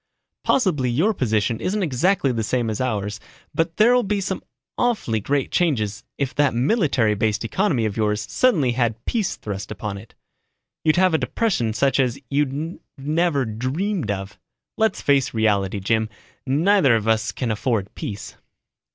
"Possibly your position isn't exactly the same as ours but there'll be some awfully great changes if that military based economy of yours suddenly had peace thrust upon it. You'd have a depression such as you've never dreamed of. Let's face reality, Jim, neither of us can afford peace."